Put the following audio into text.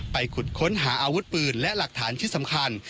ขุดค้นหาอาวุธปืนและหลักฐานชิ้นสำคัญ